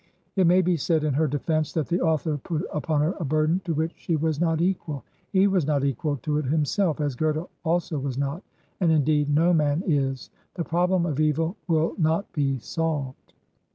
It may be said in her defence that the author put upon her a burden to which she was not equal ; he was not equal to it himself, as Goethe also was not; and, indeed, no man is. The problem of evil will not be solved.